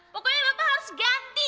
pokoknya bapak harus ganti